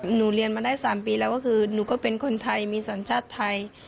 เรียนมาได้๓ปีแล้วก็คือหนูก็เป็นคนไทยมีสัญชาติไทย